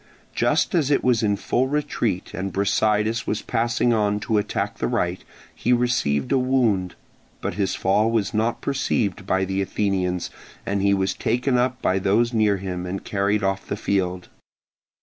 Just as it was in full retreat and Brasidas was passing on to attack the right, he received a wound; but his fall was not perceived by the Athenians, as he was taken up by those near him and carried off the field.